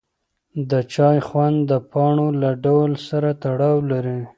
د چای خوند د پاڼو له ډول سره تړاو لري.